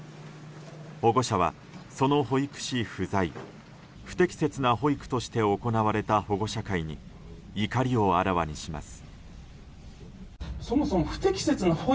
保護者は、その保育士不在不適切な保育として行われた保護者会に怒りをあらわにします。